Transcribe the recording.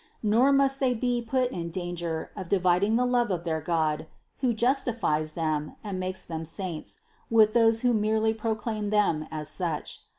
Nor must they be put in danger of dividing the love of their God, who justifies them and makes them saints, with those who merely proclaim them as such.